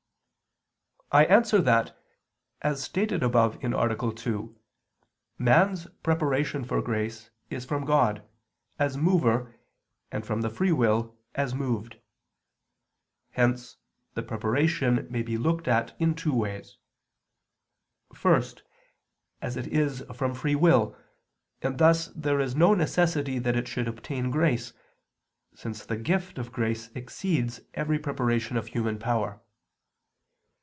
I answer that, As stated above (A. 2), man's preparation for grace is from God, as Mover, and from the free will, as moved. Hence the preparation may be looked at in two ways: first, as it is from free will, and thus there is no necessity that it should obtain grace, since the gift of grace exceeds every preparation of human power.